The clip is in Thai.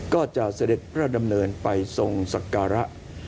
เสด็จพระดำเนินไปทรงศักระ